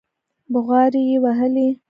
بوغارې يې وهلې.